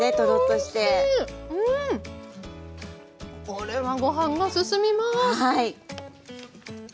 これはご飯がすすみます。